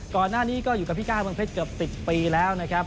ก่อนหน้านี้ก็อยู่กับพี่ก้าเมืองเพชรเกือบ๑๐ปีแล้วนะครับ